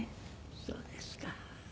そうですか。